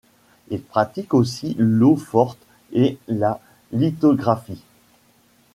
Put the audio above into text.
Il pratique aussi l'eau forte et la lithographie.